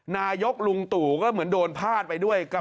นายกลุงตู่ก็เหมือนโดนพาดไปด้วย